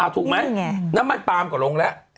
ถูกไหมน้ำมันปลามก็ลงแล้ว